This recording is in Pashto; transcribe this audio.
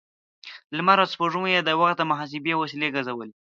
لمر او سپوږمۍ يې د وخت د محاسبې وسیلې ګرځولې.